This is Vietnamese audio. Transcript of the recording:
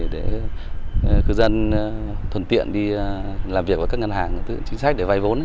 để cư dân thuần tiện đi làm việc với các ngân hàng tự nhiên chính sách để vay vốn